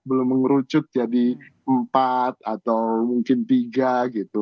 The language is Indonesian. belum mengerucut jadi empat atau mungkin tiga gitu